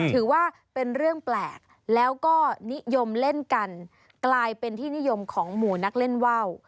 ถือว่าเป็นเรื่องแปลกแล้วก็นิยมเล่นกันกลายเป็นที่นิยมของหมู่นักเล่นว่าว